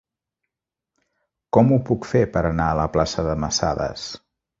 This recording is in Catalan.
Com ho puc fer per anar a la plaça de Masadas?